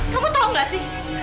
kamu tahu nggak sih